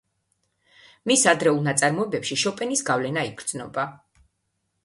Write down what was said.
მის ადრეულ ნაწარმოებებში შოპენის გავლენა იგრძნობა.